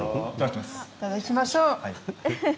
いただきましょう。